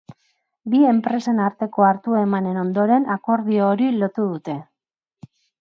Bi enpresen arteko hartu-emanen ondoren akordio hori lotu dute.